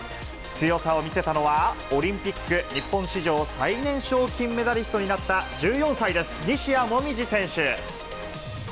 強さを見せたのは、オリンピック日本史上最年少金メダリストになった１４歳です。